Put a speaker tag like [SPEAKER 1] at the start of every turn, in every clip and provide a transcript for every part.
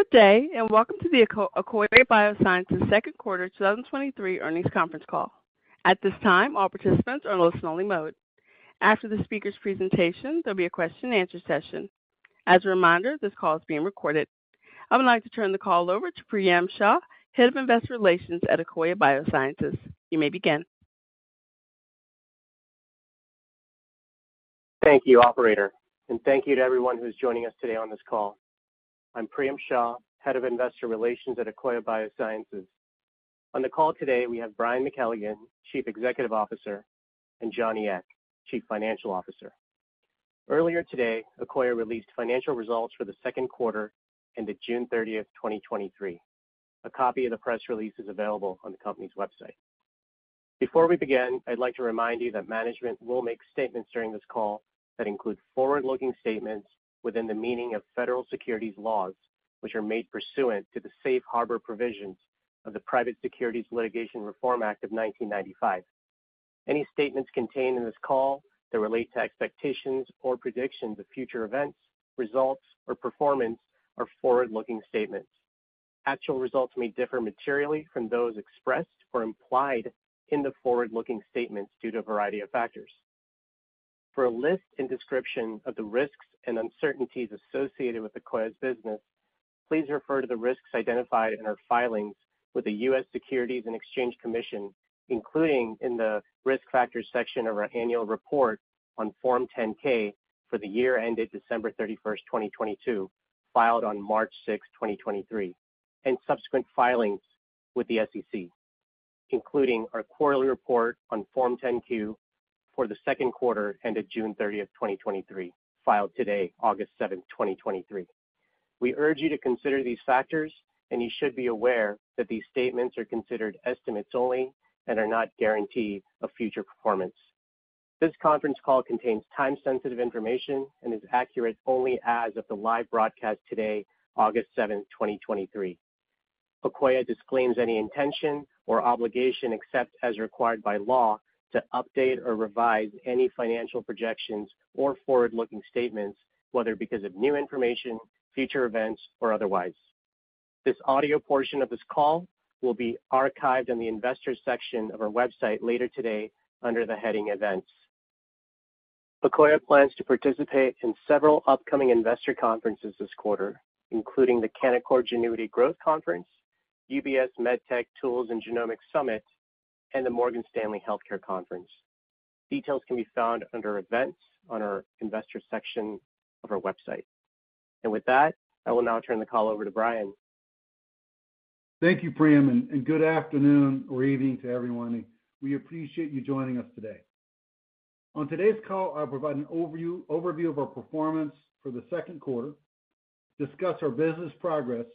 [SPEAKER 1] Good day. Welcome to the Akoya Biosciences second quarter 2023 earnings conference call. At this time, all participants are in listen-only mode. After the speaker's presentation, there'll be a question-and-answer session. As a reminder, this call is being recorded. I would like to turn the call over to Priyam Shah, Head of Investor Relations at Akoya Biosciences. You may begin.
[SPEAKER 2] Thank you, operator, thank you to everyone who's joining us today on this call. I'm Priyam Shah, Head of Investor Relations at Akoya Biosciences. On the call today, we have Brian McKelligon, Chief Executive Officer, and Johnny Ek, Chief Financial Officer. Earlier today, Akoya released financial results for the second quarter end of June 30th, 2023. A copy of the press release is available on the company's website. Before we begin, I'd like to remind you that management will make statements during this call that include forward-looking statements within the meaning of federal securities laws, which are made pursuant to the Safe Harbor provisions of the Private Securities Litigation Reform Act of 1995. Any statements contained in this call that relate to expectations or predictions of future events, results, or performance are forward-looking statements. Actual results may differ materially from those expressed or implied in the forward-looking statements due to a variety of factors. For a list and description of the risks and uncertainties associated with Akoya's business, please refer to the risks identified in our filings with the U.S. Securities and Exchange Commission, including in the Risk Factors section of our annual report on Form 10-K for the year ended December 31st, 2022, filed on March 6th, 2023, and subsequent filings with the SEC, including our quarterly report on Form 10-Q for the second quarter ended June 30th, 2023, filed today, August 7th, 2023. We urge you to consider these factors, you should be aware that these statements are considered estimates only and are not guarantees of future performance. This conference call contains time-sensitive information and is accurate only as of the live broadcast today, August seventh, 2023. Akoya disclaims any intention or obligation, except as required by law, to update or revise any financial projections or forward-looking statements, whether because of new information, future events, or otherwise. This audio portion of this call will be archived in the Investors section of our website later today under the heading Events. Akoya plans to participate in several upcoming investor conferences this quarter, including the Canaccord Genuity Growth Conference, UBS MedTech, Tools and Genomics Summit, and the Morgan Stanley Healthcare Conference. Details can be found under Events on our Investors section of our website. With that, I will now turn the call over to Brian.
[SPEAKER 3] Thank you, Priyam, and good afternoon or evening to everyone. We appreciate you joining us today. On today's call, I'll provide an overview of our performance for the second quarter, discuss our business progress,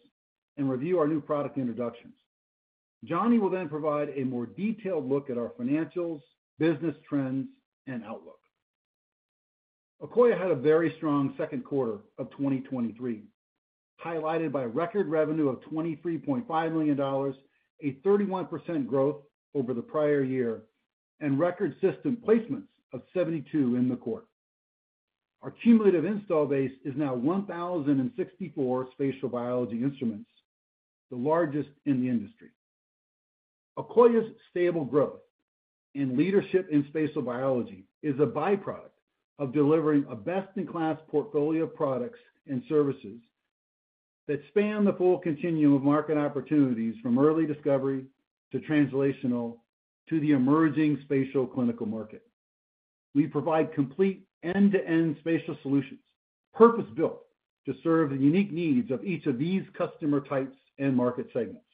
[SPEAKER 3] and review our new product introductions. Johnny will provide a more detailed look at our financials, business trends, and outlook. Akoya had a very strong second quarter of 2023, highlighted by record revenue of $23.5 million, a 31% growth over the prior year, and record system placements of 72 in the quarter. Our cumulative install base is now 1,064 spatial biology instruments, the largest in the industry. Akoya's stable growth and leadership in spatial biology is a byproduct of delivering a best-in-class portfolio of products and services that span the full continuum of market opportunities, from early discovery, to translational, to the emerging spatial clinical market. We provide complete end-to-end spatial solutions, purpose-built to serve the unique needs of each of these customer types and market segments.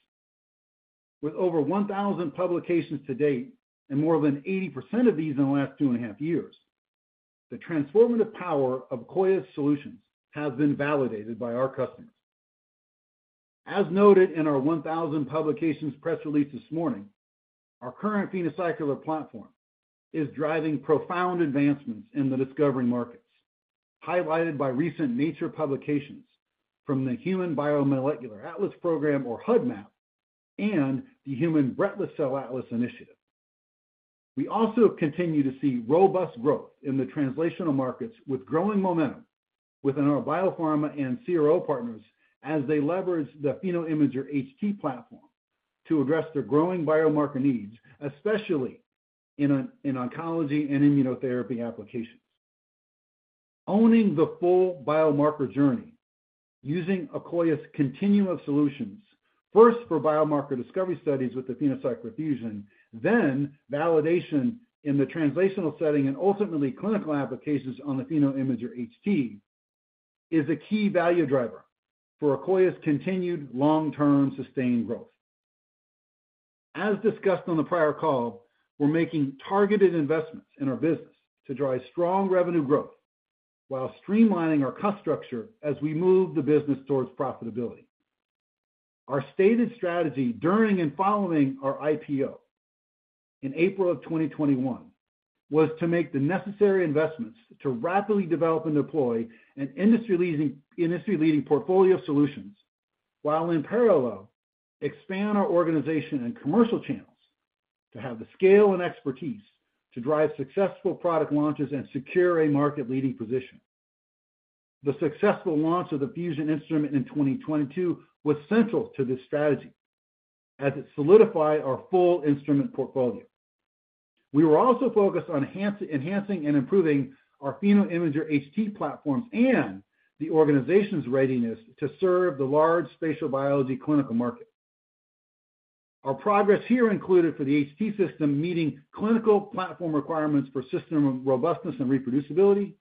[SPEAKER 3] With over 1,000 publications to date and more than 80% of these in the last 2.5 years, the transformative power of Akoya's solutions has been validated by our customers. As noted in our 1,000 publications press release this morning, our current PhenoCycler platform is driving profound advancements in the discovery markets, highlighted by recent Nature publications from the Human BioMolecular Atlas Program, or HuBMAP, and the Human Breast Cell Atlas Initiative. We also continue to see robust growth in the translational markets, with growing momentum within our biopharma and CRO partners as they leverage the PhenoImager HT platform to address their growing biomarker needs, especially in oncology and immunotherapy applications. Owning the full biomarker journey using Akoya's continuum of solutions, first for biomarker discovery studies with the PhenoCycler-Fusion, then validation in the translational setting and ultimately clinical applications on the PhenoImager HT, is a key value driver for Akoya's continued long-term sustained growth. As discussed on the prior call, we're making targeted investments in our business to drive strong revenue growth while streamlining our cost structure as we move the business towards profitability. Our stated strategy during and following our IPO in April of 2021, was to make the necessary investments to rapidly develop and deploy an industry-leading, industry-leading portfolio of solutions, while in parallel, expand our organization and commercial channels to have the scale and expertise to drive successful product launches and secure a market-leading position. The successful launch of the Fusion instrument in 2022 was central to this strategy, as it solidified our full instrument portfolio. We were also focused on enhancing and improving our PhenoImager HT platforms, and the organization's readiness to serve the large spatial biology clinical market. Our progress here included, for the HT system, meeting clinical platform requirements for system robustness and reproducibility,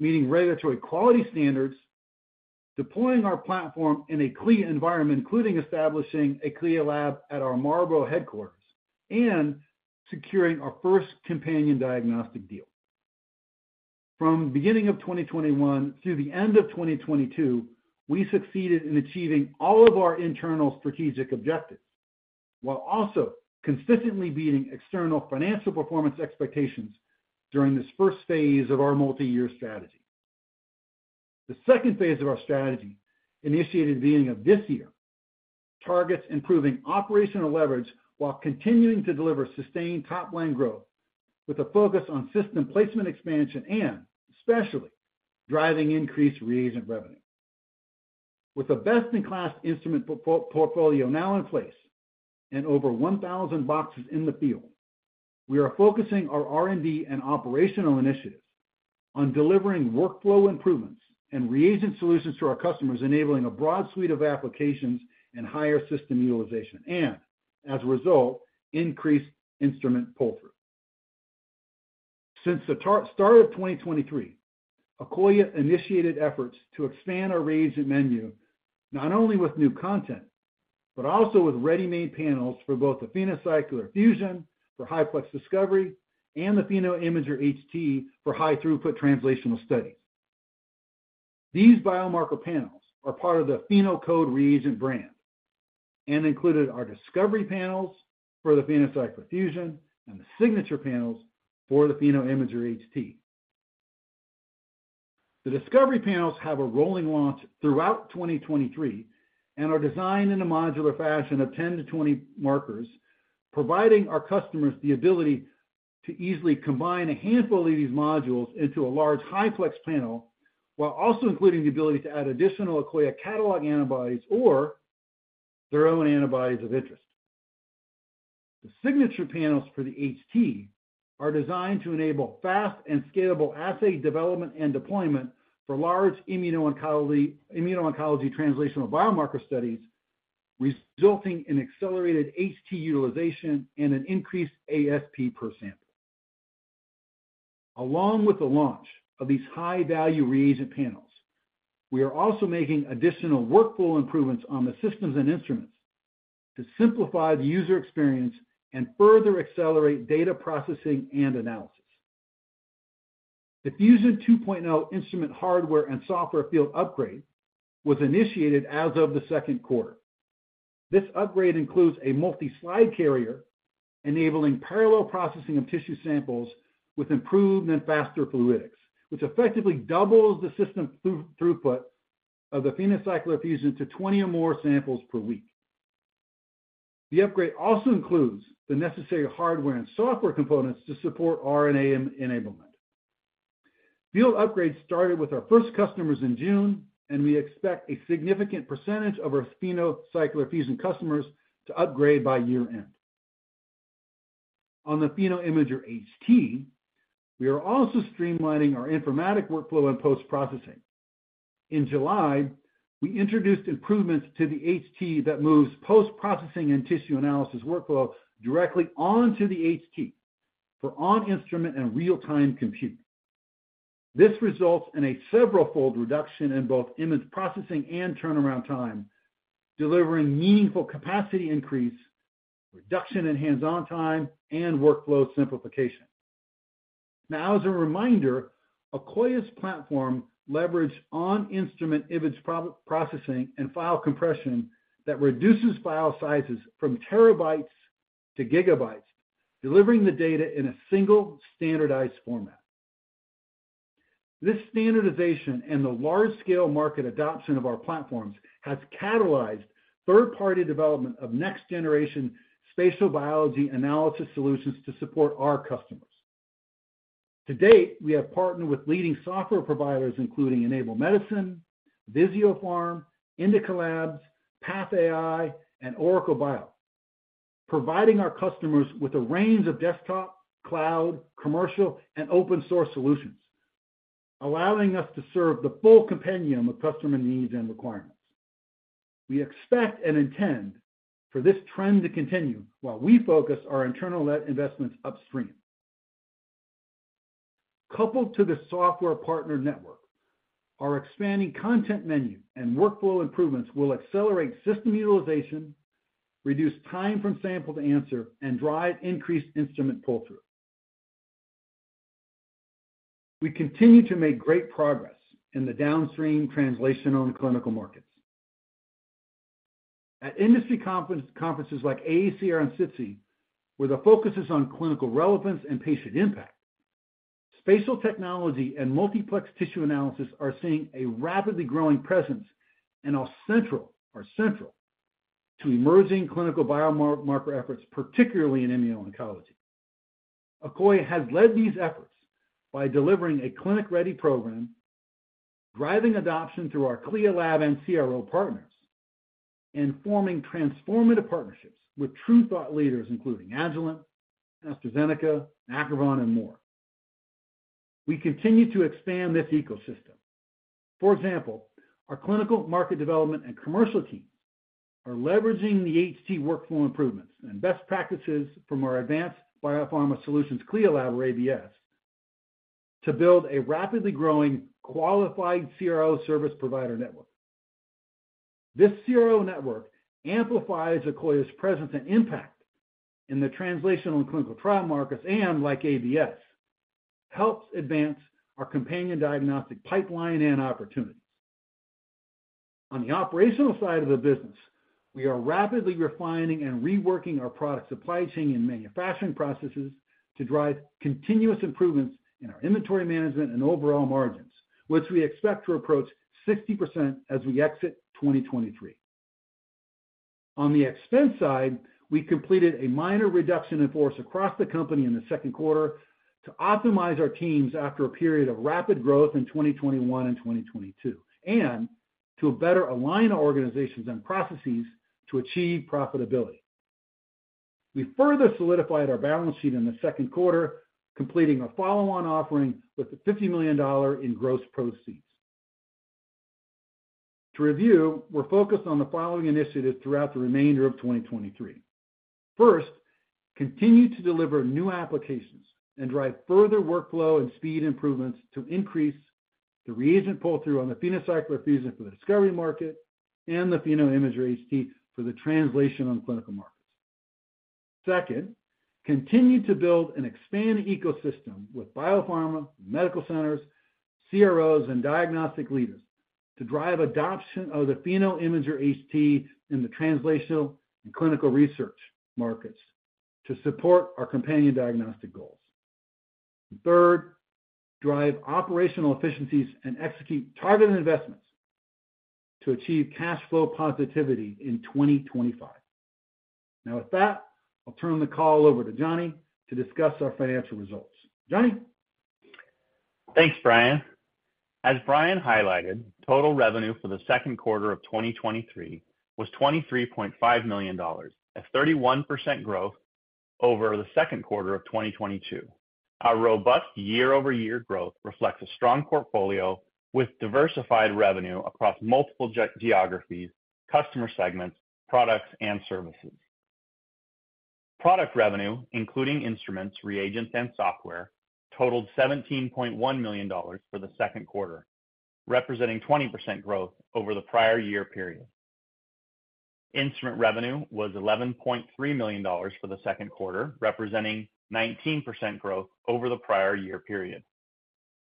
[SPEAKER 3] meeting regulatory quality standards, deploying our platform in a CLIA environment, including establishing a CLIA lab at our Marlborough headquarters, and securing our first companion diagnostic deal. From beginning of 2021 through the end of 2022, we succeeded in achieving all of our internal strategic objectives, while also consistently beating external financial performance expectations during this first phase of our multi-year strategy. The second phase of our strategy, initiated the beginning of this year, targets improving operational leverage while continuing to deliver sustained top-line growth, with a focus on system placement expansion and especially driving increased reagent revenue. With a best-in-class instrument portfolio now in place and over 1,000 boxes in the field, we are focusing our R&D and operational initiatives on delivering workflow improvements and reagent solutions to our customers, enabling a broad suite of applications and higher system utilization, and as a result, increased instrument pull-through. Since the start of 2023, Akoya initiated efforts to expand our reagent menu, not only with new content, but also with ready-made panels for both the PhenoCycler-Fusion for high-plex discovery and the PhenoImager HT for high-throughput translational studies. These biomarker panels are part of the PhenoCode Reagent brand and included our Discovery panels for the PhenoCycler-Fusion and the Signature panels for the PhenoImager HT. The Discovery panels have a rolling launch throughout 2023 and are designed in a modular fashion of 10-20 markers, providing our customers the ability to easily combine a handful of these modules into a large high-plex panel, while also including the ability to add additional Akoya catalog antibodies or their own antibodies of interest. The Signature panels for the HT are designed to enable fast and scalable assay development and deployment for large immuno-oncology, immuno-oncology translational biomarker studies, resulting in accelerated HT utilization and an increased ASP per sample. Along with the launch of these high-value reagent panels, we are also making additional workflow improvements on the systems and instruments to simplify the user experience and further accelerate data processing and analysis. The Fusion 2.0 instrument hardware and software field upgrade was initiated as of the second quarter. This upgrade includes a multi-slide carrier, enabling parallel processing of tissue samples with improved and faster fluidics, which effectively doubles the system throughput of the PhenoCycler-Fusion to 20 or more samples per week. The upgrade also includes the necessary hardware and software components to support RNA enablement. Field upgrades started with our first customers in June, and we expect a significant percentage of our PhenoCycler-Fusion customers to upgrade by year-end. On the PhenoImager HT, we are also streamlining our informatic workflow and post-processing. In July, we introduced improvements to the HT that moves post-processing and tissue analysis workflows directly onto the HT for on-instrument and real-time compute. This results in a several-fold reduction in both image processing and turnaround time, delivering meaningful capacity increase, reduction in hands-on time, and workflow simplification. As a reminder, Akoya's platform leverage on-instrument image processing and file compression that reduces file sizes from terabytes to gigabytes, delivering the data in a single standardized format. This standardization and the large-scale market adoption of our platforms has catalyzed third-party development of next-generation spatial biology analysis solutions to support our customers. To date, we have partnered with leading software providers, including Enable Medicine, Visiopharm, Indica Labs, PathAI, and OracleBio, providing our customers with a range of desktop, cloud, commercial, and open-source solutions, allowing us to serve the full compendium of customer needs and requirements. We expect and intend for this trend to continue while we focus our internal investments upstream. Coupled to the software partner network, our expanding content menu and workflow improvements will accelerate system utilization, reduce time from sample to answer, and drive increased instrument pull-through. We continue to make great progress in the downstream translational and clinical markets. At industry conferences like AACR and SITC, where the focus is on clinical relevance and patient impact. Spatial technology and multiplex tissue analysis are seeing a rapidly growing presence and are central to emerging clinical biomarker efforts, particularly in immuno-oncology. Akoya has led these efforts by delivering a clinic-ready program, driving adoption through our CLIA lab and CRO partners, and forming transformative partnerships with true thought leaders, including Agilent, AstraZeneca, Acrivon, and more. We continue to expand this ecosystem. For example, our clinical market development and commercial teams are leveraging the HT workflow improvements and best practices from our Advanced Biopharma Solutions CLIA lab, or ABS, to build a rapidly growing qualified CRO service provider network. This CRO network amplifies Akoya's presence and impact in the translational and clinical trial markets, and, like ABS, helps advance our companion diagnostic pipeline and opportunities. On the operational side of the business, we are rapidly refining and reworking our product supply chain and manufacturing processes to drive continuous improvements in our inventory management and overall margins, which we expect to approach 60% as we exit 2023. On the expense side, we completed a minor reduction in force across the company in the second quarter to optimize our teams after a period of rapid growth in 2021 and 2022, and to better align our organizations and processes to achieve profitability. We further solidified our balance sheet in the second quarter, completing a follow-on offering with a $50 million in gross proceeds. To review, we're focused on the following initiatives throughout the remainder of 2023. First, continue to deliver new applications and drive further workflow and speed improvements to increase the reagent pull-through on the PhenoCycler-Fusion for the discovery market and the PhenoImager HT for the translation on the clinical markets. Second, continue to build and expand ecosystem with biopharma, medical centers, CROs, and diagnostic leaders to drive adoption of the PhenoImager HT in the translational and clinical research markets to support our companion diagnostic goals. Third, drive operational efficiencies and execute targeted investments to achieve cash flow positivity in 2025. With that, I'll turn the call over to Johnny to discuss our financial results. Johnny?
[SPEAKER 4] Thanks, Brian. As Brian highlighted, total revenue for the second quarter of 2023 was $23.5 million, a 31% growth over the second quarter of 2022. Our robust year-over-year growth reflects a strong portfolio with diversified revenue across multiple geographies, customer segments, products, and services. Product revenue, including instruments, reagents, and software, totaled $17.1 million for the second quarter, representing 20% growth over the prior year period. Instrument revenue was $11.3 million for the second quarter, representing 19% growth over the prior year period.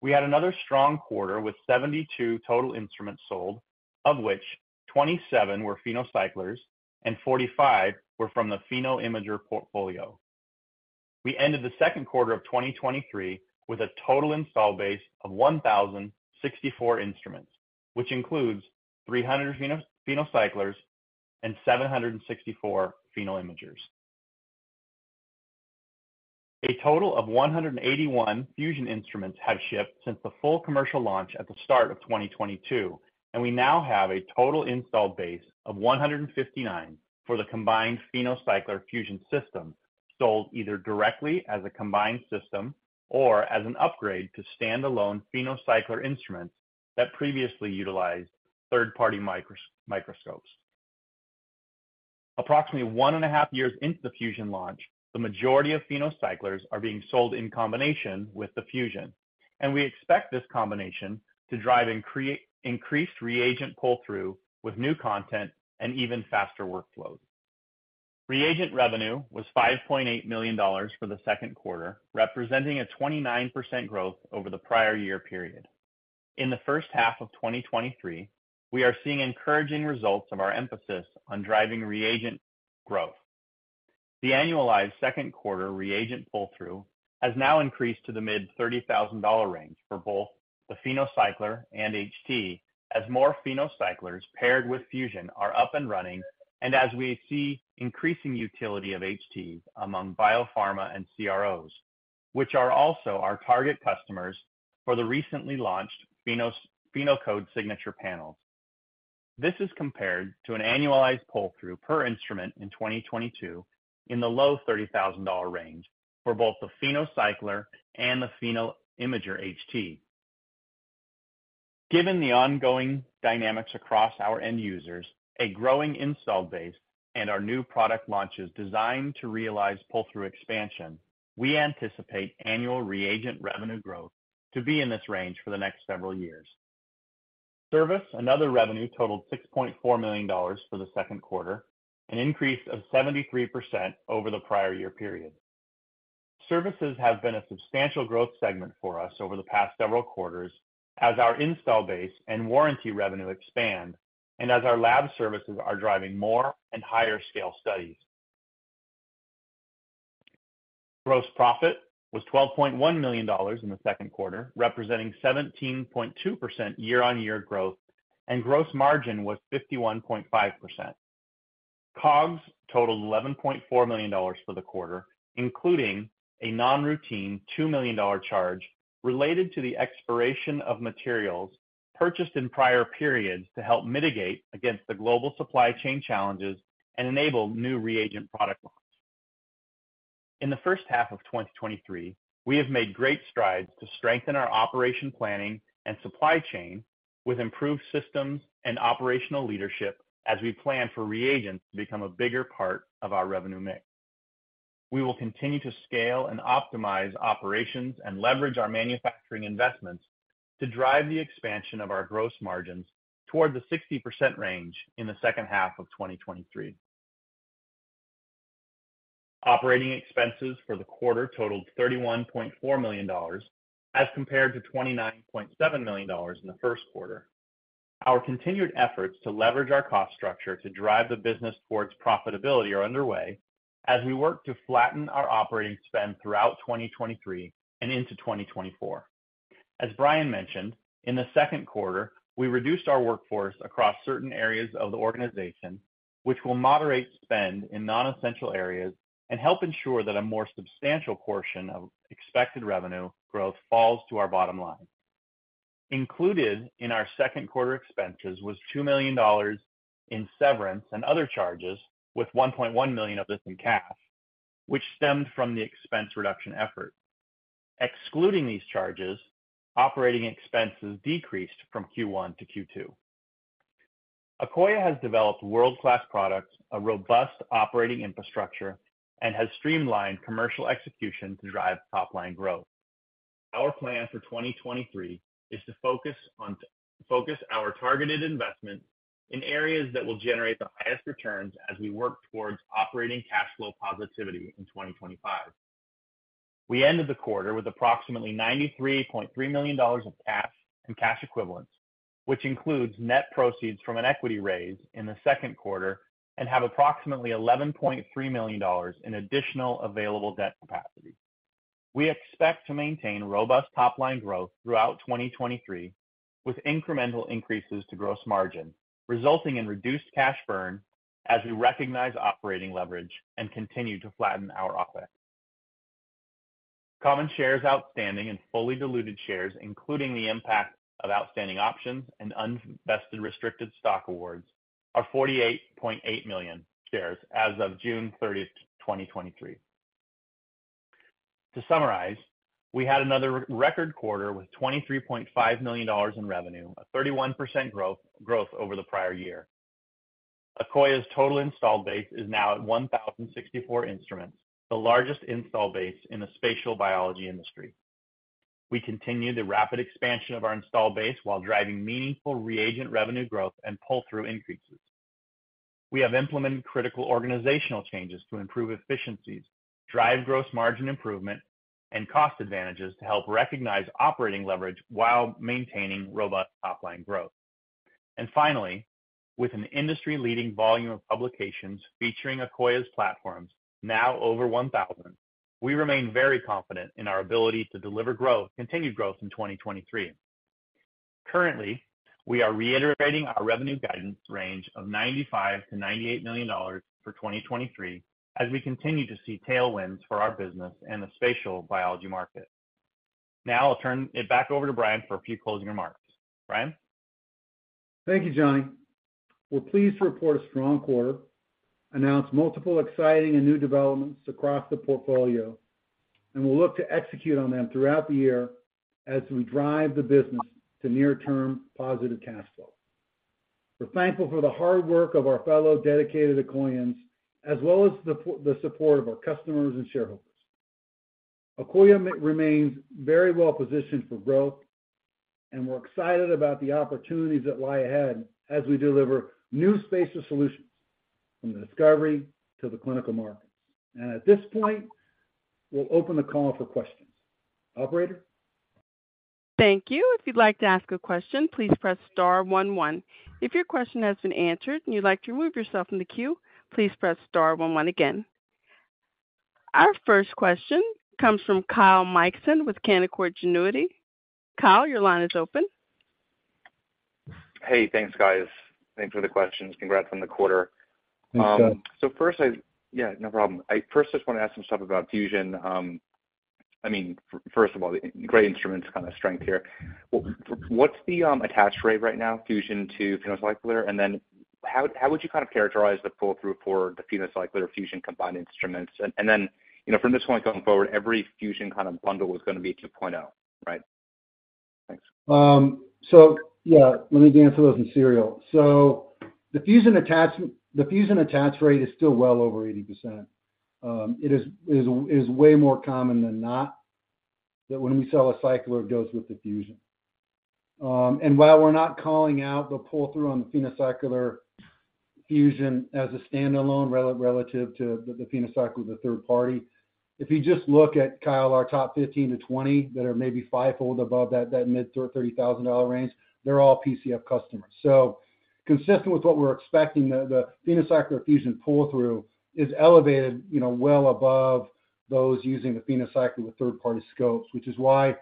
[SPEAKER 4] We had another strong quarter with 72 total instruments sold, of which 27 were PhenoCyclers and 45 were from the PhenoImager portfolio. We ended the second quarter of 2023 with a total install base of 1,064 instruments, which includes 300 PhenoCyclers and 764 PhenoImagers. A total of 181 Fusion instruments have shipped since the full commercial launch at the start of 2022, and we now have a total installed base of 159 for the combined PhenoCycler-Fusion system, sold either directly as a combined system or as an upgrade to standalone PhenoCycler instruments that previously utilized third-party microscopes. Approximately one and a half years into the Fusion launch, the majority of PhenoCyclers are being sold in combination with the Fusion, and we expect this combination to drive increased reagent pull-through with new content and even faster workflows. Reagent revenue was $5.8 million for the second quarter, representing a 29% growth over the prior year period. In the first half of 2023, we are seeing encouraging results of our emphasis on driving reagent growth. The annualized second quarter reagent pull-through has now increased to the mid-$30,000 range for both the PhenoCycler and HT, as more PhenoCyclers paired with Fusion are up and running, and as we see increasing utility of HTs among biopharma and CROs, which are also our target customers for the recently launched PhenoCode Signature Panels. This is compared to an annualized pull-through per instrument in 2022 in the low $30,000 range for both the PhenoCycler and the PhenoImager HT. Given the ongoing dynamics across our end users, a growing install base, and our new product launches designed to realize pull-through expansion, we anticipate annual reagent revenue growth to be in this range for the next several years. Service and other revenue totaled $6.4 million for the second quarter, an increase of 73% over the prior year period. Services have been a substantial growth segment for us over the past several quarters as our install base and warranty revenue expand and as our lab services are driving more and higher scale studies. Gross profit was $12.1 million in the second quarter, representing 17.2% year-on-year growth, and gross margin was 51.5%. COGS totaled $11.4 million for the quarter, including a non-routine $2 million charge related to the expiration of materials purchased in prior periods to help mitigate against the global supply chain challenges and enable new reagent product launch. In the first half of 2023, we have made great strides to strengthen our operation planning and supply chain with improved systems and operational leadership as we plan for reagents to become a bigger part of our revenue mix. We will continue to scale and optimize operations and leverage our manufacturing investments to drive the expansion of our gross margins toward the 60% range in the second half of 2023. Operating expenses for the quarter totaled $31.4 million, as compared to $29.7 million in the first quarter. Our continued efforts to leverage our cost structure to drive the business towards profitability are underway as we work to flatten our operating spend throughout 2023 and into 2024. As Brian mentioned, in the second quarter, we reduced our workforce across certain areas of the organization, which will moderate spend in non-essential areas and help ensure that a more substantial portion of expected revenue growth falls to our bottom line. Included in our second quarter expenses was $2 million in severance and other charges, with $1.1 million of this in cash, which stemmed from the expense reduction effort. Excluding these charges, OpEx decreased from Q1 to Q2. Akoya has developed world-class products, a robust operating infrastructure, and has streamlined commercial execution to drive top-line growth. Our plan for 2023 is to focus on, focus our targeted investment in areas that will generate the highest returns as we work towards operating cash flow positivity in 2025. We ended the quarter with approximately $93.3 million of cash and cash equivalents, which includes net proceeds from an equity raise in the second quarter and have approximately $11.3 million in additional available debt capacity. We expect to maintain robust top line growth throughout 2023, with incremental increases to gross margin, resulting in reduced cash burn as we recognize operating leverage and continue to flatten our OpEx. Common shares outstanding and fully diluted shares, including the impact of outstanding options and unvested restricted stock awards, are 48.8 million shares as of June 30th, 2023. To summarize, we had another record quarter with $23.5 million in revenue, a 31% growth, growth over the prior year. Akoya's total installed base is now at 1,064 instruments, the largest install base in the spatial biology industry. We continue the rapid expansion of our install base while driving meaningful reagent revenue growth and pull-through increases. We have implemented critical organizational changes to improve efficiencies, drive gross margin improvement, and cost advantages to help recognize operating leverage while maintaining robust top-line growth. Finally, with an industry-leading volume of publications featuring Akoya's platforms, now over 1,000, we remain very confident in our ability to deliver growth, continued growth in 2023. Currently, we are reiterating our revenue guidance range of $95 million-$98 million for 2023, as we continue to see tailwinds for our business and the spatial biology market. Now I'll turn it back over to Brian for a few closing remarks. Brian?
[SPEAKER 3] Thank you, Johnny. We're pleased to report a strong quarter, announce multiple exciting and new developments across the portfolio, and we'll look to execute on them throughout the year as we drive the business to near term positive cash flow. We're thankful for the hard work of our fellow dedicated Akoyans, as well as the support of our customers and shareholders. Akoya remains very well positioned for growth, and we're excited about the opportunities that lie ahead as we deliver new spatial solutions from the discovery to the clinical markets. At this point, we'll open the call for questions. Operator?
[SPEAKER 1] Thank you. If you'd like to ask a question, please press star one, one. If your question has been answered and you'd like to remove yourself from the queue, please press star one, one again. Our first question comes from Kyle Mikson with Canaccord Genuity. Kyle, your line is open.
[SPEAKER 5] Hey, thanks, guys. Thanks for the questions. Congrats on the quarter.
[SPEAKER 3] Thanks, Kyle.
[SPEAKER 5] Yeah, no problem. I first just want to ask some stuff about Fusion. I mean, first of all, great instruments, kind of strength here. What's the attach rate right now, Fusion to PhenoCycler? How, how would you kind of characterize the pull-through for the PhenoCycler Fusion combined instruments? You know, from this point going forward, every Fusion kind of bundle is gonna be 2.0, right? Thanks.
[SPEAKER 3] Let me answer those in serial. The Fusion attach rate is still well over 80%. It is way more common than not, that when we sell a cycler, it goes with the Fusion. While we're not calling out the pull-through on the PhenoCycler-Fusion as a standalone relative to the PhenoCycler, the third party. If you just look at, Kyle, our top 15-20 that are maybe fivefold above that, that mid to $30,000 range, they're all PCF customers. Consistent with what we're expecting, the PhenoCycler-Fusion pull-through is elevated, you know, well above those using the PhenoCycler with third-party scopes, which is why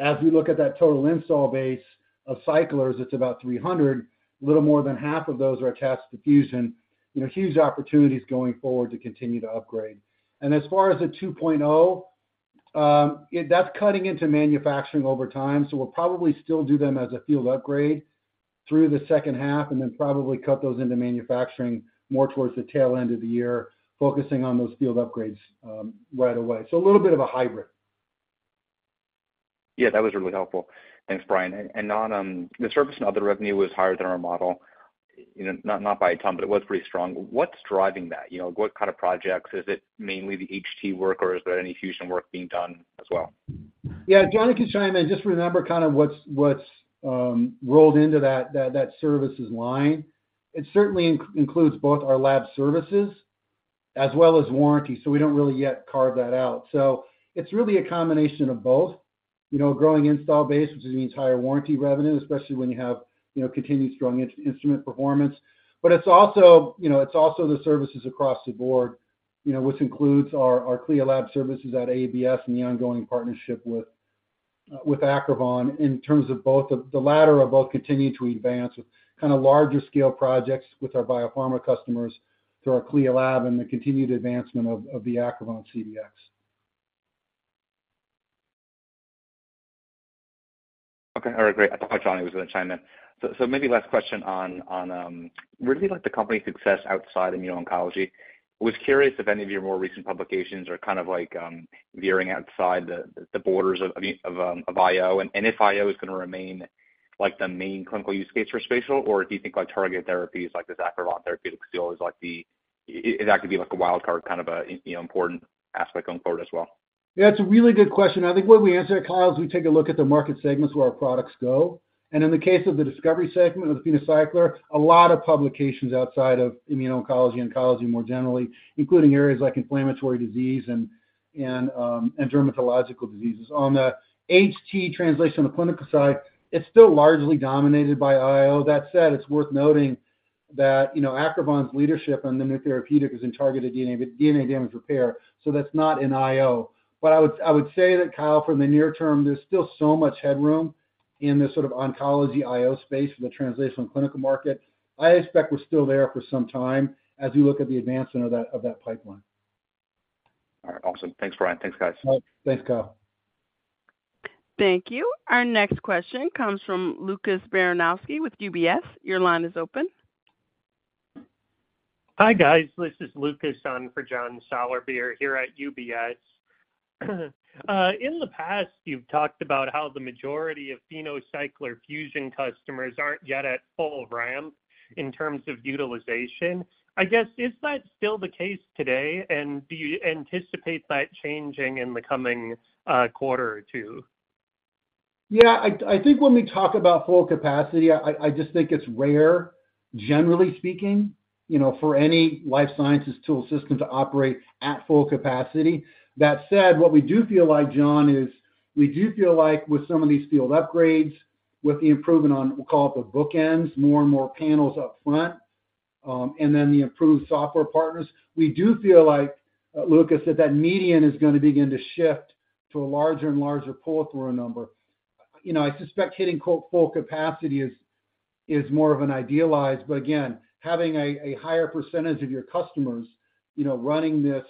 [SPEAKER 3] as we look at that total install base of cyclers, it's about 300. A little more than half of those are attached to Fusion. You know, huge opportunities going forward to continue to upgrade. As far as the 2.0, that's cutting into manufacturing over time, so we'll probably still do them as a field upgrade through the second half and then probably cut those into manufacturing more towards the tail end of the year, focusing on those field upgrades, right away. A little bit of a hybrid.
[SPEAKER 5] Yeah, that was really helpful. Thanks, Brian. On the service and other revenue was higher than our model, you know, not, not by a ton, but it was pretty strong. What's driving that? You know, what kind of projects? Is it mainly the HT work, or is there any Fusion work being done as well?
[SPEAKER 3] Yeah, Johnny can chime in. Just remember kind of what's, what's rolled into that, that, that services line. It certainly includes both our lab services as well as warranty, so we don't really yet carve that out. It's really a combination of both. You know, a growing install base, which means higher warranty revenue, especially when you have, you know, continued strong instrument performance. It's also, you know, it's also the services across the board, you know, which includes our, our CLIA lab services at AABS and the ongoing partnership with, with Acrivon in terms of both... The latter of both continue to advance with kind of larger scale projects with our biopharma customers through our CLIA lab and the continued advancement of, of the Acrivon CDx.
[SPEAKER 5] Okay, all right, great. I thought Johnny was gonna chime in. Maybe last question on, on, really, like, the company success outside immuno-oncology. I was curious if any of your more recent publications are kind of like, veering outside the, the borders of, I mean, of, of IO, and if IO is gonna remain, like, the main clinical use case for spatial, or do you think like targeted therapies like this Acrivon therapeutic seal is like it's actually like a wildcard, kind of a, you know, important aspect going forward as well?
[SPEAKER 3] Yeah, it's a really good question. I think the way we answer it, Kyle, is we take a look at the market segments where our products go. In the case of the discovery segment of the PhenoCycler, a lot of publications outside of immuno-oncology, oncology more generally, including areas like inflammatory disease and dermatological diseases. On the HT translation on the clinical side, it's still largely dominated by IO. That said, it's worth noting that, you know, Acrivon's leadership on the new therapeutic is in targeted DNA, DNA damage repair, so that's not in IO. I would, I would say that, Kyle, from the near term, there's still so much headroom in this sort of oncology IO space for the translational and clinical market. I expect we're still there for some time as we look at the advancement of that, of that pipeline.
[SPEAKER 5] All right. Awesome. Thanks, Brian. Thanks, guys.
[SPEAKER 3] Thanks, Kyle.
[SPEAKER 1] Thank you. Our next question comes from Lucas Baranowski with UBS. Your line is open.
[SPEAKER 6] Hi, guys. This is Lukas on for John Sourbeer here at UBS. In the past, you've talked about how the majority of PhenoCycler-Fusion customers aren't yet at full ramp in terms of utilization. I guess, is that still the case today, and do you anticipate that changing in the coming quarter or two?
[SPEAKER 3] Yeah, I, I think when we talk about full capacity, I, I just think it's rare, generally speaking, you know, for any life sciences tool system to operate at full capacity. That said, what we do feel like, John, is we do feel like with some of these field upgrades, with the improvement on, we'll call it the bookends, more and more panels up front, and then the improved software partners, we do feel like, Lukas, that that median is gonna begin to shift to a larger and larger pull-through number. You know, I suspect hitting quote, "full capacity" is, is more of an idealized, but again, having a, a higher percentage of your customers, you know, running this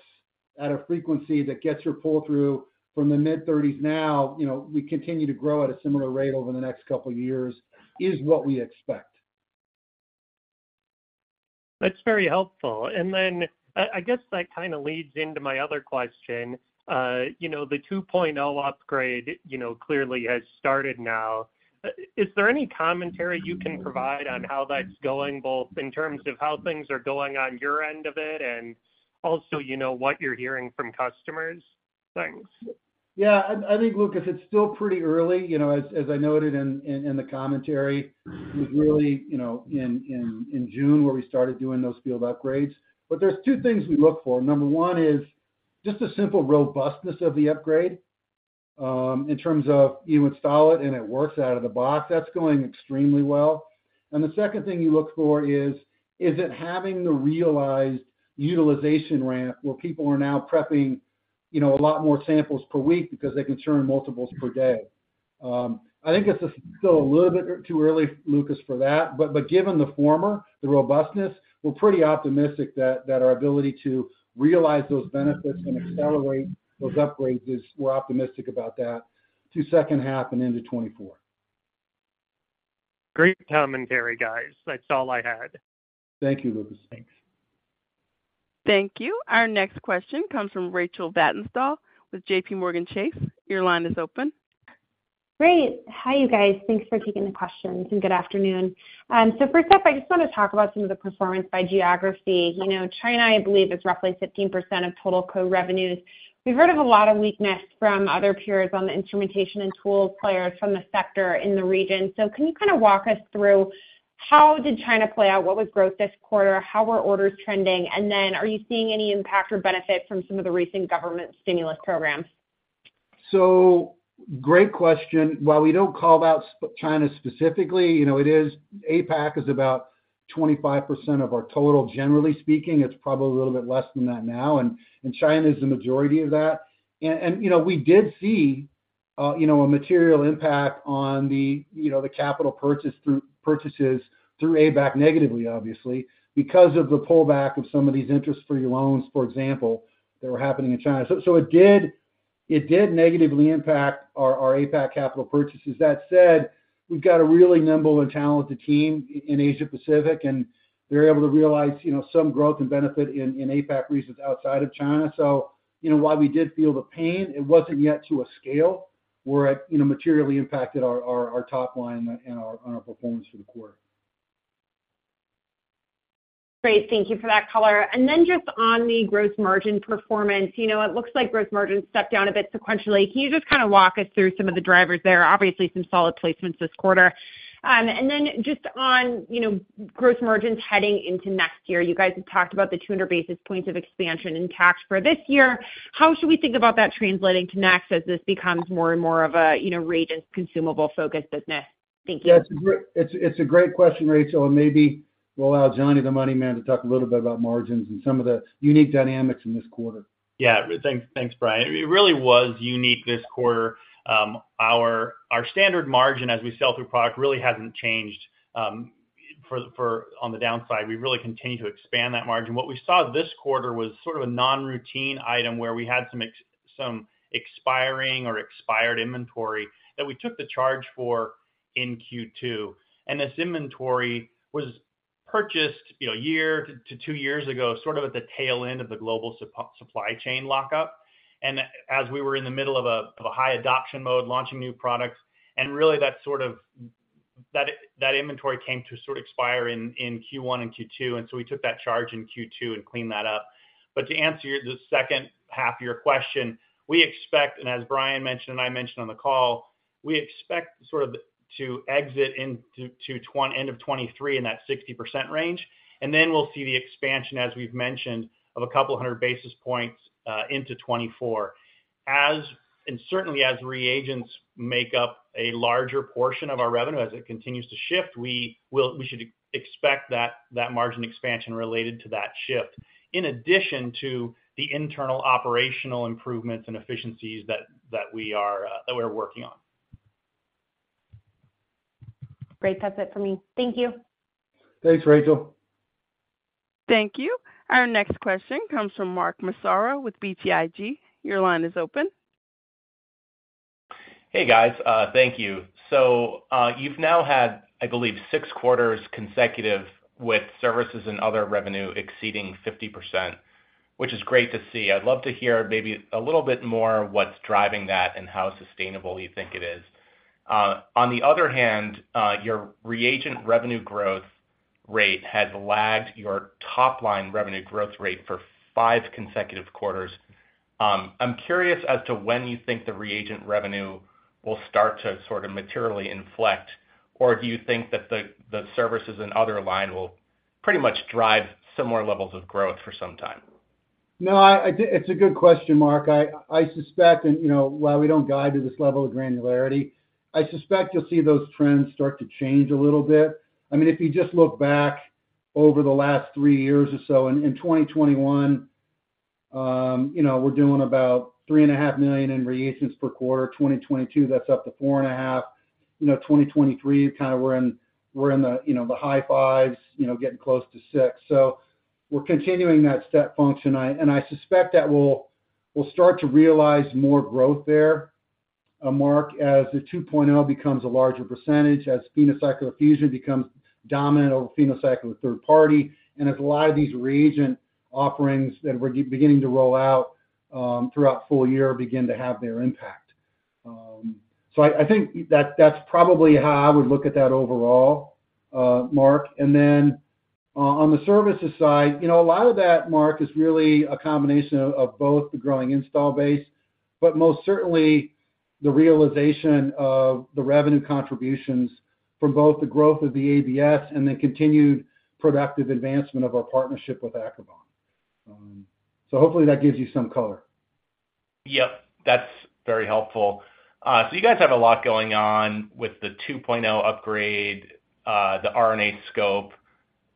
[SPEAKER 3] at a frequency that gets your pull-through from the mid-thirties now, you know, we continue to grow at a similar rate over the next couple of years, is what we expect.
[SPEAKER 6] That's very helpful. Then I, I guess that kind of leads into my other question. You know, the 2.0 upgrade, you know, clearly has started now. Is there any commentary you can provide on how that's going, both in terms of how things are going on your end of it and also, you know, what you're hearing from customers? Thanks.
[SPEAKER 3] Yeah, I, I think, Lukas, it's still pretty early. You know, as, as I noted in, in, in the commentary, it was really, you know, in, in, in June, where we started doing those field upgrades. There's two things we look for. Number one is just the simple robustness of the upgrade, in terms of you install it, and it works out of the box. That's going extremely well. The second thing you look for is, is it having the realized utilization ramp, where people are now prepping, you know, a lot more samples per week because they can turn multiples per day? I think it's still a little bit too early, Lukas, for that, but, but given the former, the robustness, we're pretty optimistic that, that our ability to realize those benefits and accelerate those upgrades is... we're optimistic about that to second half and into 2024.
[SPEAKER 6] Great commentary, guys. That's all I had.
[SPEAKER 3] Thank you, Lucas.
[SPEAKER 6] Thanks.
[SPEAKER 1] Thank you. Our next question comes from Rachel Vatnsdal Equity Research Analyst with JPMorgan Chase. Your line is open.
[SPEAKER 7] Great. Hi, you guys. Thanks for taking the questions, and good afternoon. First up, I just want to talk about some of the performance by geography. You know, China, I believe, is roughly 15% of total co-revenues. We've heard of a lot of weakness from other peers on the instrumentation and tools players from the sector in the region. Can you kind of walk us through? How did China play out? What was growth this quarter? How were orders trending? Are you seeing any impact or benefit from some of the recent government stimulus programs?
[SPEAKER 3] Great question. While we don't call out China specifically, you know, APAC is about 25% of our total, generally speaking. It's probably a little bit less than that now, and China is the majority of that. You know, we did see, you know, a material impact on the, you know, the capital purchases through APAC negatively, obviously, because of the pullback of some of these interest-free loans, for example, that were happening in China. It did, it did negatively impact our, our APAC capital purchases. That said, we've got a really nimble and talented team in Asia Pacific, and they're able to realize, you know, some growth and benefit in, in APAC regions outside of China. You know, while we did feel the pain, it wasn't yet to a scale where it, you know, materially impacted our, our, our top line and our, and our performance for the quarter.
[SPEAKER 7] Great. Thank you for that color. Then just on the gross margin performance, you know, it looks like gross margin stepped down a bit sequentially. Can you just kind of walk us through some of the drivers there? Obviously, some solid placements this quarter. Then just on, you know, gross margins heading into next year. You guys have talked about the 200 basis points of expansion in cash for this year. How should we think about that translating to next, as this becomes more and more of a, you know, reagents, consumable-focused business? Thank you.
[SPEAKER 3] Yeah, it's a great question, Rachel. Maybe we'll allow Johnny, the money man, to talk a little bit about margins and some of the unique dynamics in this quarter.
[SPEAKER 4] Yeah. Thanks, thanks, Brian. It really was unique this quarter. Our, our standard margin, as we sell through product, really hasn't changed, for, for on the downside. We really continue to expand that margin. What we saw this quarter was sort of a non-routine item where we had some some expiring or expired inventory that we took the charge for in Q2, and this inventory was purchased, you know, a year to, to two years ago, sort of at the tail end of the global supply chain lockup. As we were in the middle of a, of a high adoption mode, launching new products, and really that sort of that, that inventory came to sort of expire in, in Q1 and Q2, and so we took that charge in Q2 and cleaned that up. To answer your the second half of your question, we expect, and as Brian mentioned and I mentioned on the call, we expect sort of to exit into end of 2023 in that 60% range, and then we'll see the expansion, as we've mentioned, of a couple of hundred basis points into 2024. Certainly as reagents make up a larger portion of our revenue, as it continues to shift, we should expect that margin expansion related to that shift, in addition to the internal operational improvements and efficiencies that we're working on.
[SPEAKER 7] Great. That's it for me. Thank you.
[SPEAKER 3] Thanks, Rachel.
[SPEAKER 1] Thank you. Our next question comes from Mark Massaro with BTIG. Your line is open.
[SPEAKER 8] Hey, guys. Thank you. So, you've now had, I believe, six quarters consecutive with services and other revenue exceeding 50%, which is great to see. I'd love to hear maybe a little bit more what's driving that and how sustainable you think it is. On the other hand, your reagent revenue growth rate has lagged your top-line revenue growth rate for five consecutive quarters. I'm curious as to when you think the reagent revenue will start to sort of materially inflect, or do you think that the, the services and other line will pretty much drive similar levels of growth for some time?
[SPEAKER 3] No, it's a good question, Mark. I, I suspect, and, you know, while we don't guide to this level of granularity, I suspect you'll see those trends start to change a little bit. I mean, if you just look back over the last three years or so, in, in 2021, you know, we're doing about $3.5 million in reagents per quarter. 2022, that's up to $4.5 million. You know, 2023, kind of we're in, we're in the, you know, the high fives, you know, getting close to $6 million. We're continuing that step function, I and I suspect that we'll, we'll start to realize more growth there, Mark, as the 2.0 becomes a larger percentage, as PhenoCycler-Fusion becomes dominant over PhenoCycler third party, and as a lot of these reagent offerings that we're beginning to roll out throughout full year begin to have their impact. I, I think that's, that's probably how I would look at that overall, Mark. Then, on the services side, you know, a lot of that, Mark, is really a combination of, of both the growing install base, but most certainly the realization of the revenue contributions from both the growth of the ABS and the continued productive advancement of our partnership with Aquion. Hopefully that gives you some color.
[SPEAKER 8] Yep, that's very helpful. You guys have a lot going on with the 2.0 upgrade, the RNAScope.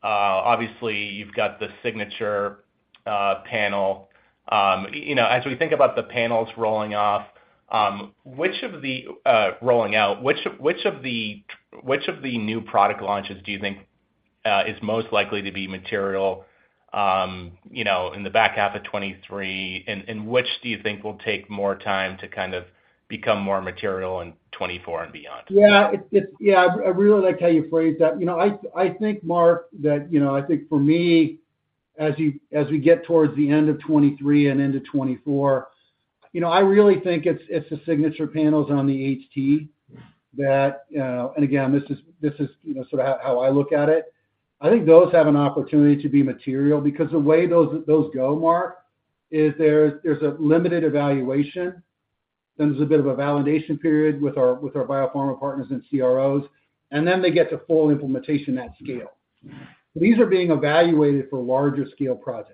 [SPEAKER 8] Obviously, you've got the Signature Panel. You know, as we think about the panels rolling off, rolling out, which of the new product launches do you think is most likely to be material, you know, in the back half of 2023, and which do you think will take more time to kind of become more material in 2024 and beyond?
[SPEAKER 3] Yeah, yeah, I really like how you phrased that. You know, I, I think, Mark, that, you know, I think for me, as we get towards the end of 2023 and into 2024, you know, I really think it's, it's the signature panels on the HT that, and again, this is, this is, you know, sort of how, how I look at it. I think those have an opportunity to be material, because the way those, those go, Mark, is there's, there's a limited evaluation. Then there's a bit of a validation period with our, with our biopharma partners and CROs, and then they get to full implementation at scale. These are being evaluated for larger scale projects.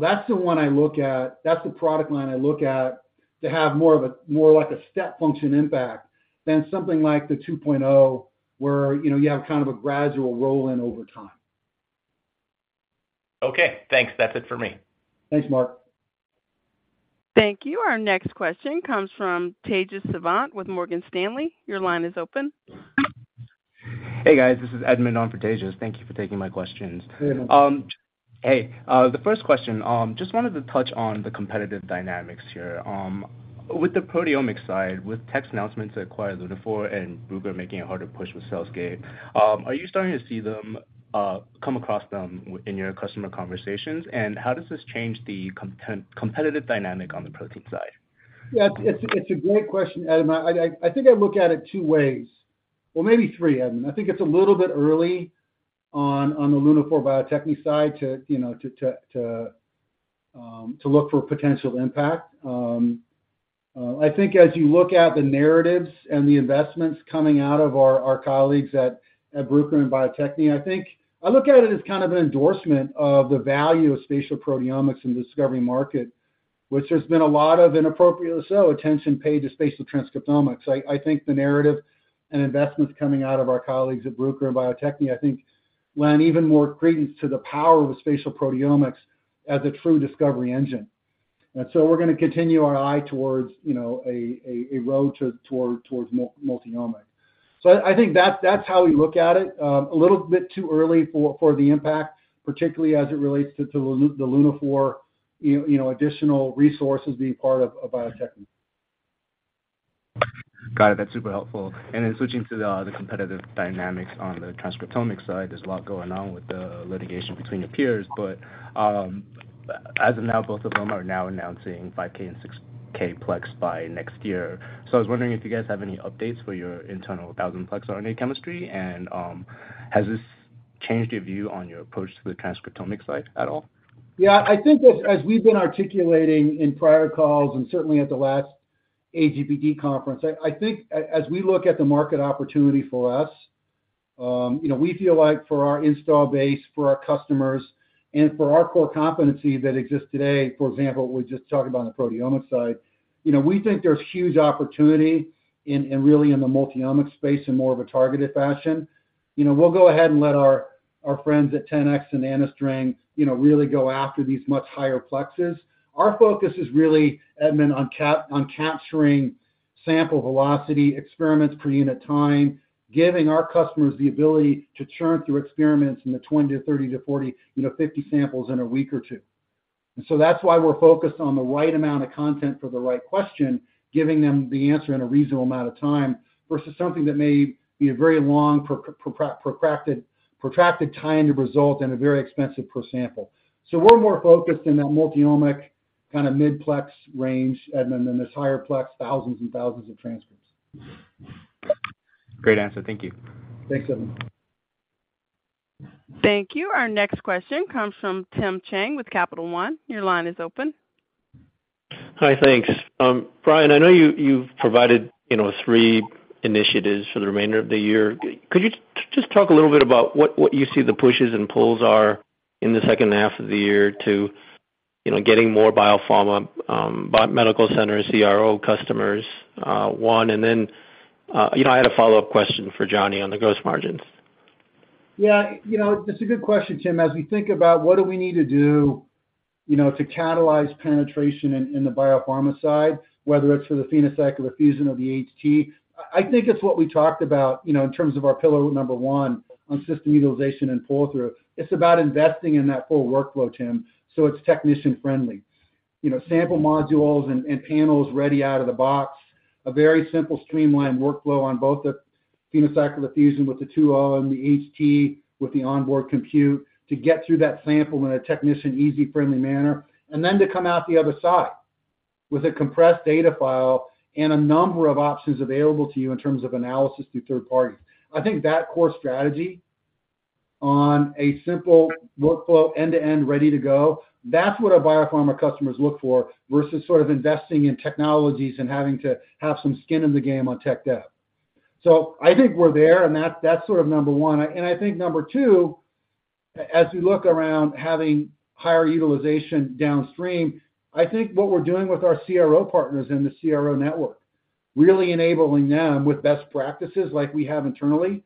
[SPEAKER 3] That's the one I look at, that's the product line I look at, to have more of a, more like a step function impact than something like the 2.0, where, you know, you have kind of a gradual roll-in over time.
[SPEAKER 8] Okay, thanks. That's it for me.
[SPEAKER 3] Thanks, Mark.
[SPEAKER 1] Thank you. Our next question comes from Tejas Savant with Morgan Stanley. Your line is open.
[SPEAKER 9] Hey, guys, this is Edmund on for Tejas. Thank you for taking my questions.
[SPEAKER 3] Hey, Edmund.
[SPEAKER 9] Hey, the first question, just wanted to touch on the competitive dynamics here. With the proteomics side, with Bio-Techne's announcements to acquire Lunaphore and Bruker making it harder to push with CellScape, are you starting to see them, come across them in your customer conversations? How does this change the competitive dynamic on the protein side?
[SPEAKER 3] Yeah, it's, it's a great question, Edmund. I, I, I think I look at it two ways, or maybe three, Edmund. I think it's a little bit early on, on the Lunaphore Bio-Techne side to, you know, to, to, to, to look for potential impact. I think as you look at the narratives and the investments coming out of our, our colleagues at, at Bruker and Bio-Techne, I think I look at it as kind of an endorsement of the value of spatial proteomics in the discovery market, which there's been a lot of inappropriate, so attention paid to spatial transcriptomics. I, I think the narrative and investments coming out of our colleagues at Bruker and Bio-Techne, I think lend even more credence to the power of spatial proteomics as a true discovery engine. We're gonna continue our eye towards, you know, a road to, towards multiomics. I think that-that's how we look at it. A little bit too early for, for the impact, particularly as it relates to, to the Lunaphore, you know, additional resources being part of, of Bio-Techne.
[SPEAKER 9] Got it. That's super helpful. Switching to the competitive dynamics on the transcriptomics side, there's a lot going on with the litigation between your peers, but, as of now, both of them are now announcing 5K and 6K plex by next year. I was wondering if you guys have any updates for your internal 1,000 plex RNA chemistry, and, has this changed your view on your approach to the transcriptomics side at all?
[SPEAKER 3] Yeah, I think as, as we've been articulating in prior calls and certainly at the last AGBT conference, I, I think as we look at the market opportunity for us, you know, we feel like for our install base, for our customers and for our core competency that exists today, for example, we just talked about the proteomics side, you know, we think there's huge opportunity in, in really in the multiomics space in more of a targeted fashion. You know, we'll go ahead and let our, our friends at 10x and NanoString, you know, really go after these much higher plexes. Our focus is really, Edmund, on cap- on capturing sample velocity, experiments per unit time, giving our customers the ability to churn through experiments in the 20 to 30 to 40, 50 samples in a week or two. That's why we're focused on the right amount of content for the right question, giving them the answer in a reasonable amount of time, versus something that may be a very long, protracted time to result and a very expensive per sample. We're more focused in that multiomic kind of mid-plex range, Edmund, than this higher plex, thousands and thousands of transcripts.
[SPEAKER 9] Great answer. Thank you.
[SPEAKER 3] Thanks, Edmund.
[SPEAKER 1] Thank you. Our next question comes from Tim Chiang with Capital One. Your line is open.
[SPEAKER 10] Hi, thanks. Brian, I know you've provided, you know, three initiatives for the remainder of the year. Could you just talk a little bit about what, what you see the pushes and pulls are in the second half of the year to, you know, getting more biopharma, medical center, CRO customers, one, and then, you know, I had a follow-up question for Johnny on the gross margins?
[SPEAKER 3] Yeah, you know, it's a good question, Tim. As we think about what do we need to do, you know, to catalyze penetration in, in the biopharma side, whether it's for the PhenoCycler or the Fusion or the HT, I think it's what we talked about, you know, in terms of our pillar number 1 on system utilization and pull-through. It's about investing in that full workflow, Tim, so it's technician-friendly. You know, sample modules and, and panels ready out of the box, a very simple, streamlined workflow on both the PhenoCycler or the Fusion with the 2.0 and the HT, with the onboard compute, to get through that sample in a technician, easy, friendly manner, and then to come out the other side with a compressed data file and a number of options available to you in terms of analysis through third parties. I think that core strategy on a simple workflow, end-to-end, ready to go, that's what our biopharma customers look for, versus sort of investing in technologies and having to have some skin in the game on tech dev. I think we're there, and that's, that's sort of number one. I think number two, as we look around having higher utilization downstream, I think what we're doing with our CRO partners in the CRO network, really enabling them with best practices like we have internally,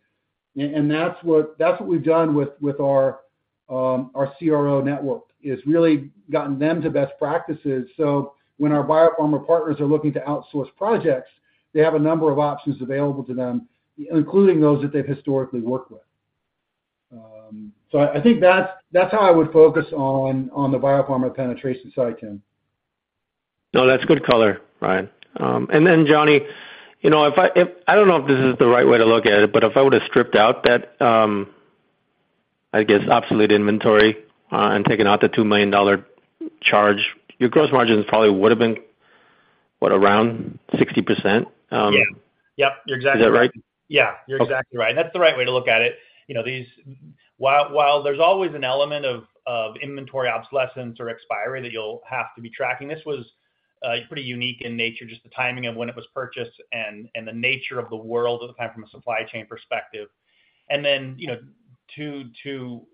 [SPEAKER 3] and that's what we've done with our CRO network, is really gotten them to best practices. When our biopharma partners are looking to outsource projects, they have a number of options available to them, including those that they've historically worked with. I think that's, that's how I would focus on, on the biopharma penetration side, Tim.
[SPEAKER 10] No, that's good color, Brian. Johnny, you know, if I, I don't know if this is the right way to look at it, but if I were to strip out that, I guess, obsolete inventory, and taken out the $2 million charge, your gross margins probably would have been, what, around 60%?
[SPEAKER 4] Yeah. Yep, you're exactly right.
[SPEAKER 10] Is that right?
[SPEAKER 4] Yeah, you're exactly right. That's the right way to look at it. You know, these, while, while there's always an element of, of inventory obsolescence or expiry that you'll have to be tracking, this was pretty unique in nature, just the timing of when it was purchased and, and the nature of the world at the time from a supply chain perspective. Then, you know, to, to sort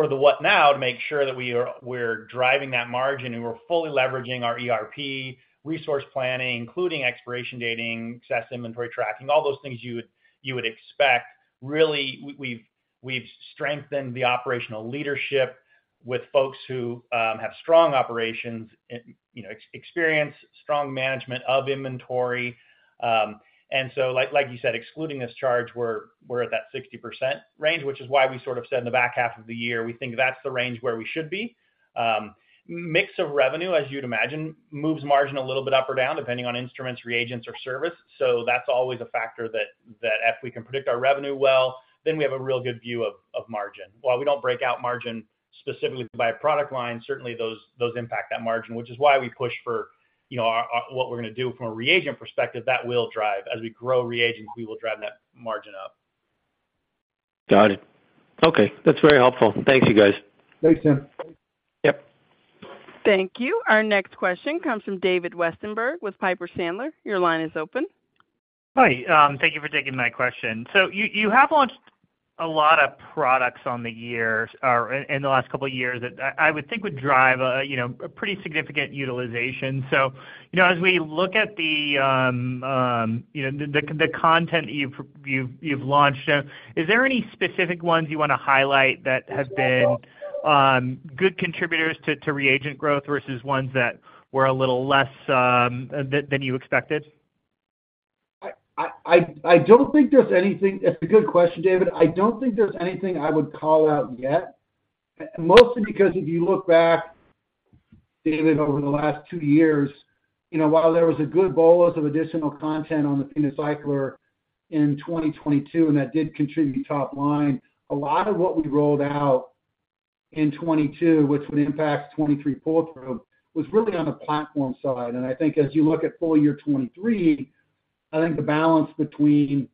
[SPEAKER 4] of the what now to make sure that we're driving that margin, and we're fully leveraging our ERP, resource planning, including expiration dating, excess inventory tracking, all those things you would, you would expect. Really, we, we've, we've strengthened the operational leadership with folks who have strong operations and, you know, experience, strong management of inventory. Like, like you said, excluding this charge, we're, we're at that 60% range, which is why we sort of said in the back half of the year, we think that's the range where we should be. Mix of revenue, as you'd imagine, moves margin a little bit up or down, depending on instruments, reagents, or service. That's always a factor that, that if we can predict our revenue well, then we have a real good view of, of margin. While we don't break out margin specifically by product line, certainly those, those impact that margin, which is why we push for, you know, what we're gonna do from a reagent perspective, that will drive. As we grow reagents, we will drive that margin up.
[SPEAKER 10] Got it. Okay, that's very helpful. Thank you, guys.
[SPEAKER 3] Thanks, Tim.
[SPEAKER 10] Yep.
[SPEAKER 1] Thank you. Our next question comes from David Westenberg with Piper Sandler. Your line is open.
[SPEAKER 11] Hi, thank you for taking my question. You, you have launched a lot of products on the years or in, in the last couple of years that I, I would think would drive a, you know, a pretty significant utilization. You know, as we look at the, you know, the, the content you've, you've, you've launched, is there any specific ones you want to highlight that have been good contributors to, to reagent growth versus ones that were a little less than, than you expected?
[SPEAKER 3] I, I, I, I don't think there's anything. That's a good question, David. I don't think there's anything I would call out yet. Mostly because if you look back, David, over the last two years, you know, while there was a good bolus of additional content on the PhenoCycler in 2022, and that did contribute top line, a lot of what we rolled out in 2022, which would impact 2023 pull through, was really on the platform side. I think as you look at full year 2023, I think the balance between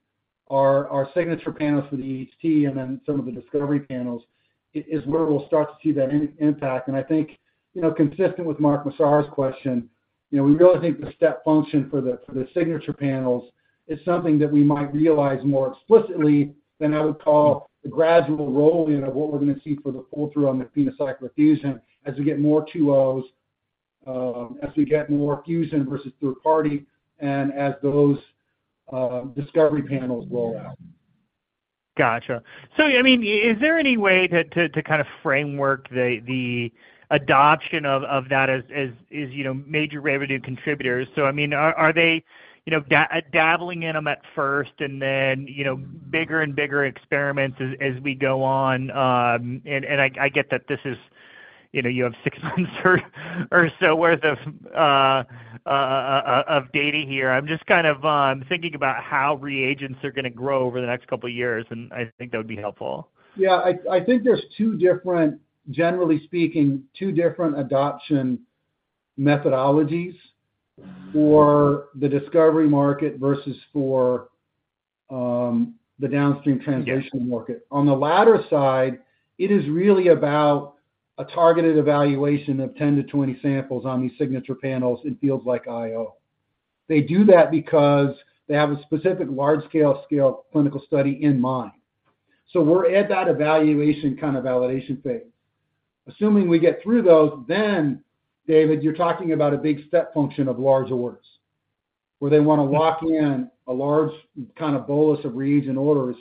[SPEAKER 3] our, our signature panels for the HT and then some of the discovery panels is where we'll start to see that impact. I think, you know, consistent with Mark Massaro's question, you know, we really think the step function for the, for the Signature Panels is something that we might realize more explicitly than I would call the gradual roll-in of what we're gonna see for the pull-through on the PhenoCycler-Fusion. As we get more 2.0s, as we get more fusion versus third party, and as those Discovery Panels roll out.
[SPEAKER 11] Gotcha. I mean, is there any way to, to, to kind of framework the, the adoption of, of that as, as, as, you know, major revenue contributors? I mean, are, are they, you know, dabbling in them at first and then, you know, bigger and bigger experiments as, as we go on? I get that this is, you know, you have 6 months or so worth of data here. I'm just kind of thinking about how reagents are gonna grow over the next couple of years, and I think that would be helpful.
[SPEAKER 3] Yeah, I, I think there's two different, generally speaking, two different adoption methodologies for the discovery market versus for the downstream translation market.
[SPEAKER 11] Yeah.
[SPEAKER 3] On the latter side, it is really about a targeted evaluation of 10-20 samples on these signature panels in fields like IO. They do that because they have a specific large-scale scale clinical study in mind. We're at that evaluation, kind of validation phase. Assuming we get through those, then, David, you're talking about a big step function of large awards, where they want to lock in a large kind of bolus of reads and orders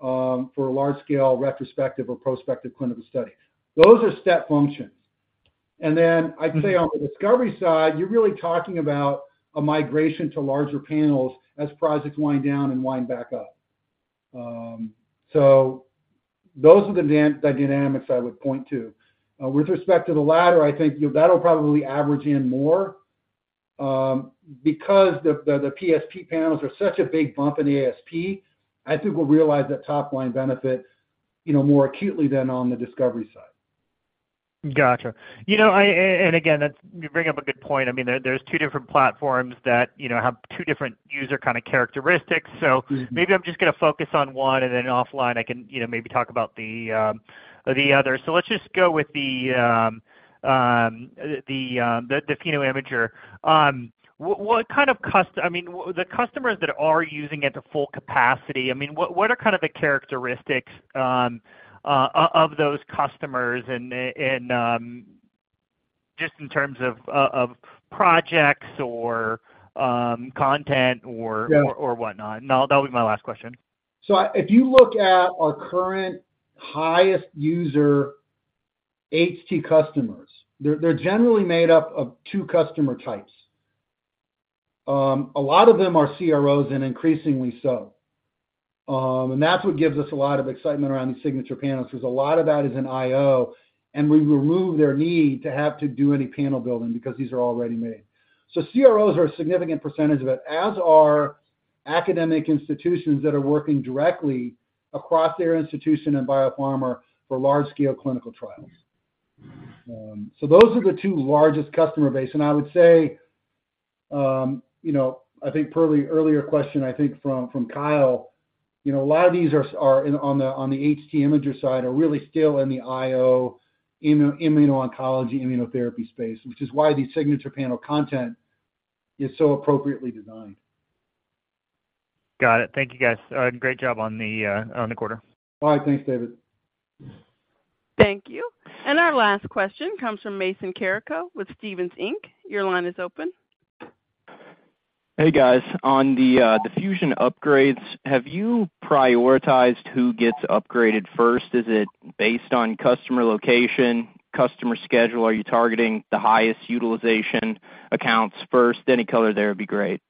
[SPEAKER 3] for a large-scale retrospective or prospective clinical study. Those are step functions. I'd say on the discovery side, you're really talking about a migration to larger panels as projects wind down and wind back up. Those are the dynamics I would point to. With respect to the latter, I think, you know, that'll probably average in more, because the, the, the PSP panels are such a big bump in the ASP, I think we'll realize that top line benefits, you know, more acutely than on the discovery side.
[SPEAKER 11] Gotcha. You know, again, that's, you bring up a good point. I mean, there, there's 2 different platforms that, you know, have two different user kind of characteristics.
[SPEAKER 3] Mm-hmm.
[SPEAKER 11] Maybe I'm just gonna focus on one, and then offline, I can, you know, maybe talk about the other. Let's just go with the PhenoImager. What kind of cust- I mean, the customers that are using it to full capacity, I mean, what, what are kind of the characteristics of those customers and just in terms of projects or content or.
[SPEAKER 3] Yeah
[SPEAKER 11] or whatnot? That'll be my last question.
[SPEAKER 3] If you look at our current highest user HT customers, they're, they're generally made up of two customer types. A lot of them are CROs, and increasingly so. And that's what gives us a lot of excitement around these Signature Panels. There's a lot of that is in IO, and we remove their need to have to do any panel building because these are already made. CROs are a significant percentage of it, as are academic institutions that are working directly across their institution and biopharma for large-scale clinical trials. Those are the two largest customer base, and I would say, you know, I think per the earlier question, I think from, from Kyle, you know, a lot of these are, are in, on the, on the HT imager side, are really still in the IO, immuno-oncology, immunotherapy space, which is why the Signature Panel content is so appropriately designed.
[SPEAKER 11] Got it. Thank you, guys. Great job on the on the quarter.
[SPEAKER 3] All right. Thanks, David.
[SPEAKER 1] Thank you. Our last question comes from Mason Carrico with Stephens Inc. Your line is open.
[SPEAKER 12] Hey, guys. On the, the Fusion upgrades, have you prioritized who gets upgraded first? Is it based on customer location, customer schedule? Are you targeting the highest utilization accounts first? Any color there would be great.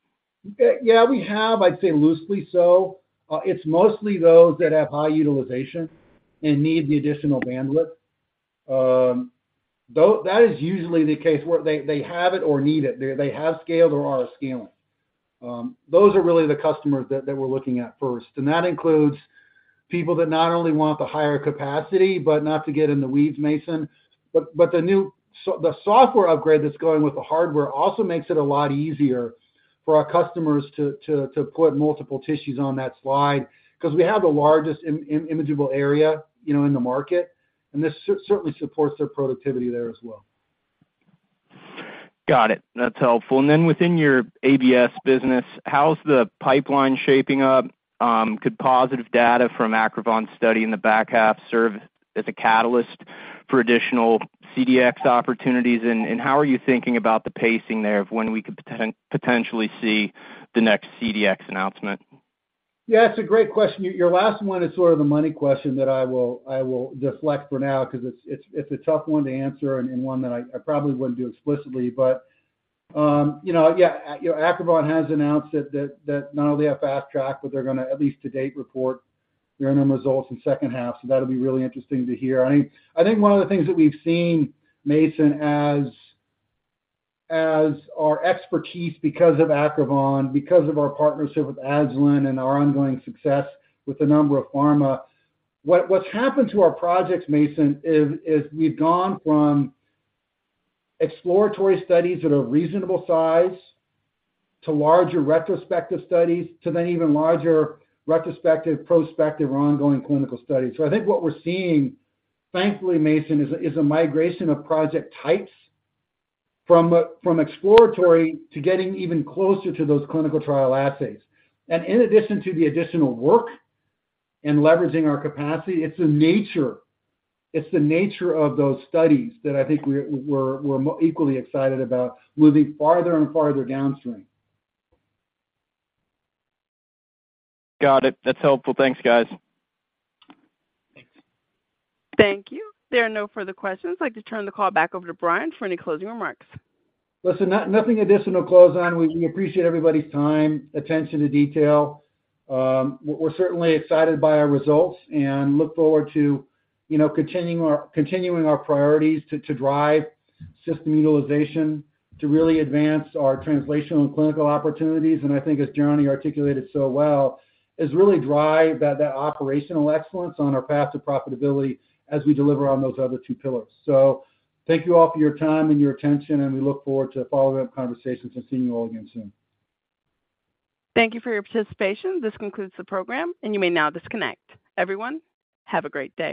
[SPEAKER 3] Yeah, we have, I'd say loosely so. It's mostly those that have high utilization and need the additional bandwidth. Though, that is usually the case where they, they have it or need it. They, they have scaled or are scaling. Those are really the customers that, that we're looking at first, and that includes people that not only want the higher capacity, but not to get in the weeds, Mason, but the new software upgrade that's going with the hardware also makes it a lot easier for our customers to, to, to put multiple tissues on that slide. Because we have the largest imageable area, you know, in the market, and this certainly supports their productivity there as well.
[SPEAKER 12] Got it. That's helpful. Then within your ABS business, how's the pipeline shaping up? Could positive data from Acrivon study in the back half serve as a catalyst for additional CDX opportunities? How are you thinking about the pacing there of when we could potentially see the next CDX announcement?
[SPEAKER 3] Yeah, it's a great question. Your, your last one is sort of the money question that I will, I will deflect for now because it's, it's, it's a tough one to answer and, and one that I, I probably wouldn't do explicitly. You know, yeah, Acrivon has announced that, that, that not only are Fast Track, but they're gonna, at least to date, report the interim results in second half. That'll be really interesting to hear. I think, I think one of the things that we've seen, Mason, as, as our expertise, because of Acrivon, because of our partnership with Agilent and our ongoing success with a number of pharma, what, what's happened to our projects, Mason, is, is we've gone from exploratory studies that are reasonable size, to larger retrospective studies, to then even larger retrospective, prospective, or ongoing clinical studies. I think what we're seeing, thankfully, Mason, is a, is a migration of project types from, from exploratory to getting even closer to those clinical trial assays. In addition to the additional work and leveraging our capacity, it's the nature, it's the nature of those studies that I think we're, we're, we're equally excited about moving farther and farther downstream.
[SPEAKER 12] Got it. That's helpful. Thanks, guys.
[SPEAKER 3] Thanks.
[SPEAKER 1] Thank you. There are no further questions. I'd like to turn the call back over to Brian for any closing remarks.
[SPEAKER 3] Listen, no- nothing additional to close on. We, we appreciate everybody's time, attention to detail. We're, we're certainly excited by our results and look forward to, you know, continuing our, continuing our priorities to, to drive system utilization, to really advance our translational and clinical opportunities. I think as Johnny articulated so well, is really drive that, that operational excellence on our path to profitability as we deliver on those other two pillars. Thank you all for your time and your attention, and we look forward to follow-up conversations and seeing you all again soon.
[SPEAKER 1] Thank you for your participation. This concludes the program, and you may now disconnect. Everyone, have a great day.